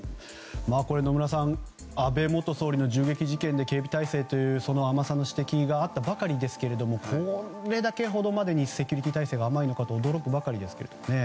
野村さん安倍元総理の銃撃事件で警備態勢の甘さの指摘があったばかりですけれどもこれほどまでにセキュリティー態勢が甘いのかと驚くばかりですけどね。